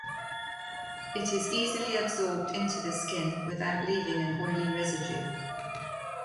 It is easily absorbed into the skin without leaving an oily residue.